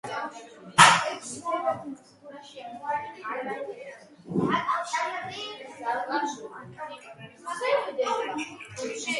სიტყვასიტყვით ნიშნავს „ღმერთს“.